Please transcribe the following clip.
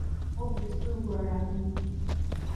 خوب د سترګو آراموي